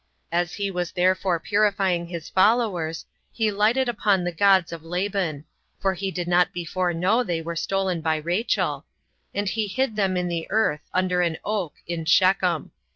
As he was therefore purifying his followers, he lighted upon the gods of Laban; [for he did not before know they were stolen by Rachel;] and he hid them in the earth, under an oak, in Shechem.